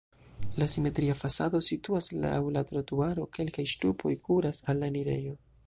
La simetria fasado situas laŭ la trotuaro, kelkaj ŝtupoj kuras al la enirejo.